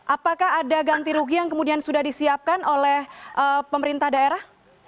apakah ada ganti rugi yang kemudian sudah disiapkan oleh pemerintah daerah